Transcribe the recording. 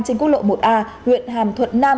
trên quốc lộ một a huyện hàm thuận nam